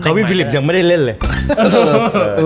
เขาวิ่งฟิลิปยังไม่ได้เล่นเลย